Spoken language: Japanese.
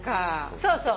そうそう。